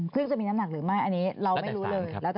ซึ่งจะมีน้ำหนักหรือไม่อันนี้เราไม่รู้เลย